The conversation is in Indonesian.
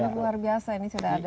luar biasa ini sudah ada